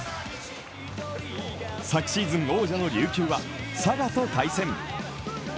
昨シーズン王者の琉球は佐賀と対戦。